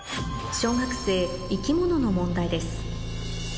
小学生生き物の問題です